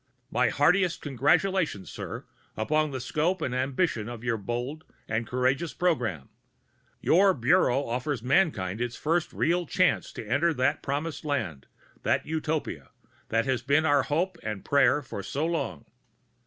My heartiest congratulations, sir, upon the scope and ambition of your bold and courageous program. Your Bureau offers mankind its first real chance to enter that promised land, that Utopia, that has been our hope and prayer for so long.